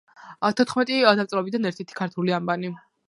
თოთხმეტი დამწერლობიდან ერთერთი ქართული ანბანი?